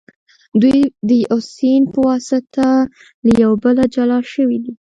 دوی د یو سیند په واسطه له یو بله جلا شوي دي.